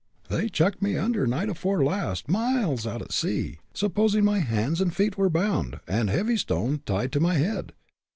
"They chucked me under night afore last, miles out at sea, supposing my hands and feet were bound, and a heavy stone tied to my head.